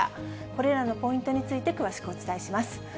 これらのポイントについて詳しくお伝えします。